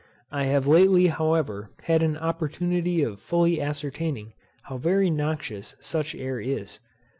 I have lately, however, had an opportunity of fully ascertaining how very noxious such air is.